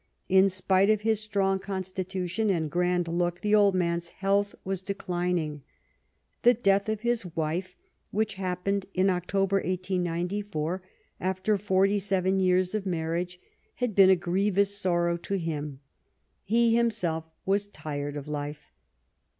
In spite of his strong constitution and grand look, the old man's health was declining. The death of his wife, which happened in 1894, after forty seven years of marriage, had been a grievous sorrow to him ; he himself was tired of life.